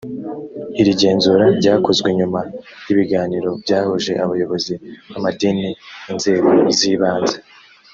iri genzura ryakozwe nyuma y ibiganiro byahuje abayobozi b amadini inzego z ibanze